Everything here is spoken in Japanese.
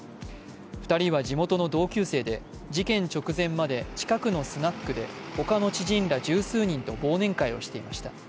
２人は地元の同級生で、事件直前まで近くのスナックで他の知人ら数十人と忘年会をしていました。